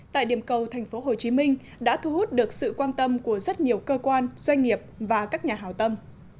tại điểm cầu tp hcm đã thu hút được sự quan tâm của rất nhiều cơ quan doanh nghiệp và các nhà hào tâm